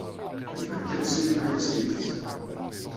Iban kan tesrim aya s tidet.